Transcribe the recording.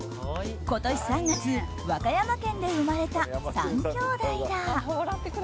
今年３月和歌山県で生まれた３兄弟だ。